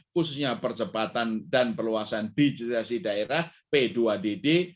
khususnya percepatan dan perluasan bijidrasi daerah p dua dd